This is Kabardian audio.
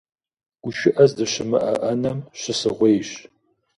ГушыӀэ здэщымыӀэ Ӏэнэм щысыгъуейщ.